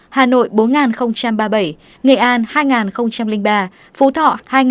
hà nội bốn ba mươi bảy nghệ an hai ba phú thọ hai hai trăm năm mươi bảy